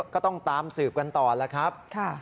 ก็ต้องตามสืบกันต่อแล้วครับ